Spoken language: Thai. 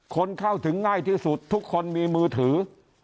คนเข้าถึงง่ายที่สุดทุกคนมีมือถือ